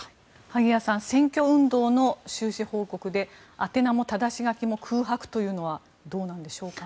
萩谷さん選挙運動の収支報告で宛名もただし書きも空白というのはどうなんでしょうか？